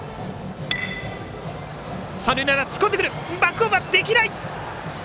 三塁ランナー、突っ込んでくるがバックホームできない。